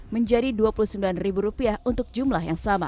menjadi rp dua puluh sembilan untuk jumlah yang sama